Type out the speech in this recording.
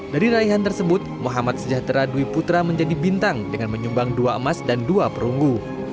dari raihan tersebut muhammad sejahtera dwi putra menjadi bintang dengan menyumbang dua emas dan dua perunggu